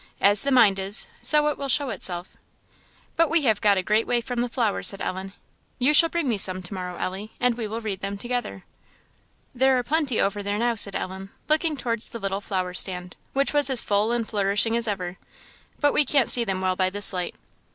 As the mind is, so it will show itself." "But we have got a great way from the flowers," said Ellen. "You shall bring me some to morrow, Ellie, and we will read them together." "There are plenty over there now," said Ellen, looking towards the little flower stand, which was as full and flourishing as ever; "but we can't see them well by this light."